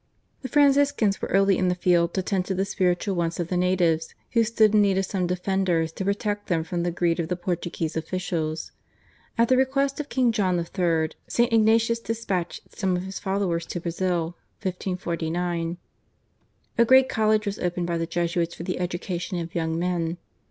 The Franciscans were early in the field to tend to the spiritual wants of the natives, who stood in need of some defenders to protect them from the greed of the Portuguese officials. At the request of King John III. St. Ignatius despatched some of his followers to Brazil (1549). A great college was opened by the Jesuits for the education of young men.